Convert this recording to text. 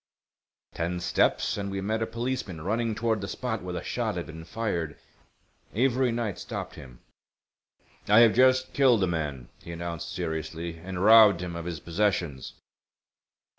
Ten steps and we met a policeman running toward the spot where the shot had been fired. Avery Knight stopped him. "I have just killed a man," he announced, seriously, "and robbed him of his possessions."